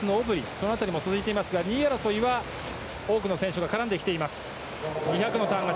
その辺りも続いていますが２位争いは多くの選手が絡んできています。